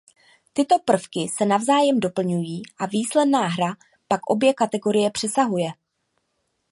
Tyto prvky se navzájem doplňují a výsledná hra pak obě kategorie přesahuje.